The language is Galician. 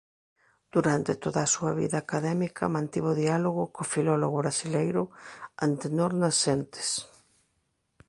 Durante toda a súa vida académica mantivo diálogo co filólogo brasileiro Antenor Nascentes